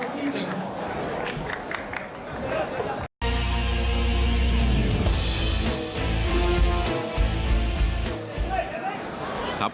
มัดดียดไล่